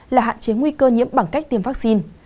là hạn chế nguy cơ nhiễm bằng cách tiêm vaccine